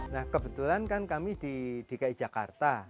nah kebetulan kan kami di dki jakarta